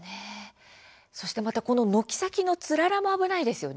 そしてまた、この軒先のつららも危ないですよね。